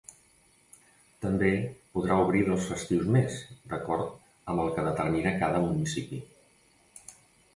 També podrà obrir dos festius més, d'acord amb el que determini cada municipi.